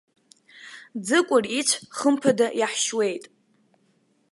Ӡыкәыр ицә хымԥада иаҳшьуеит!